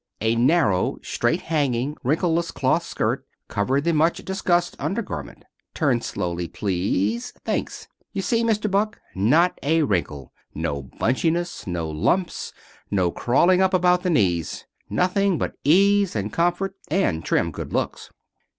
A narrow, straight hanging, wrinkleless cloth skirt covered the much discussed under garment. "Turn slowly, please. Thanks. You see, Mr. Buck? Not a wrinkle. No bunchiness. No lumps. No crawling up about the knees. Nothing but ease, and comfort, and trim good looks."